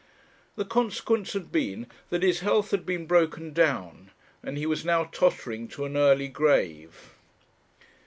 The consequence had been that his health had been broken down, and he was now tottering to an early grave.